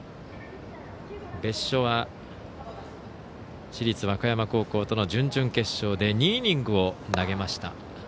別所は市立和歌山との準々決勝で２イニングを投げました。